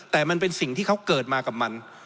แต่มันเป็นสิ่งที่เขาเกิดมากับมัน